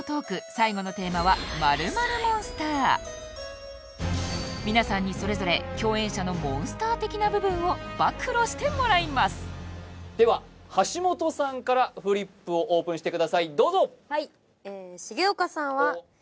最後のテーマは皆さんにそれぞれ共演者のモンスター的な部分を暴露してもらいますでは橋本さんからフリップをオープンしてくださいどうぞ！